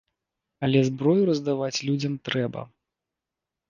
Але зброю раздаваць людзям трэба.